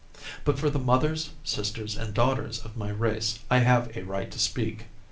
But for the mothers, sisters, and daughters of my race I have a right to speak.